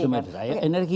sumber daya energi